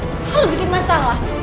selalu bikin masalah